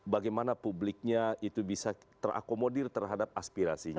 bagaimana publiknya itu bisa terakomodir terhadap aspirasinya